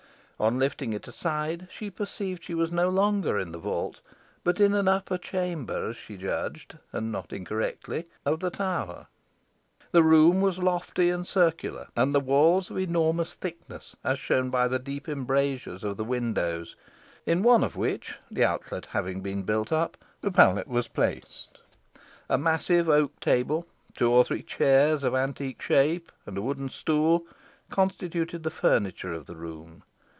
On lifting it aside she perceived she was no longer in the vault, but in an upper chamber, as she judged, and not incorrectly, of the tower. The room was lofty and circular, and the walls of enormous thickness, as shown by the deep embrasures of the windows; in one of which, the outlet having been built up, the pallet was placed. A massive oak table, two or three chairs of antique shape, and a wooden stool, constituted the furniture of the room.